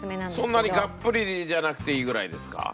そんなにがっぷりじゃなくていいぐらいですか？